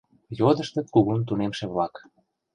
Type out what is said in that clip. Йодыштыт кугун тунемше-влак.